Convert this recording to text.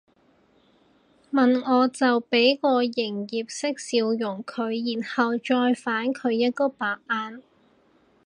問我就俾個營業式笑容佢然後再反佢一個白眼